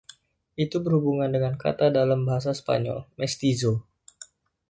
Itu berhubungan dengan kata dalam bahasa Spanyol “mestizo”.